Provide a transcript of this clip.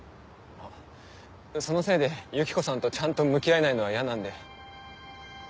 そのせいでユキコさんとちゃんと向き合えないのは嫌なんで。